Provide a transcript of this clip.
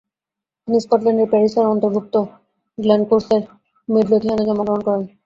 তিনি স্কটল্যান্ডের প্যারিশের অন্তর্ভুক্ত গ্লেনকোর্সের মিড্লোথিয়ানে জন্মগ্রহণ করেন।